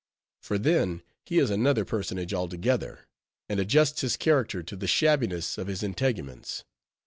For then he is another personage altogether, and adjusts his character to the shabbiness of his integuments.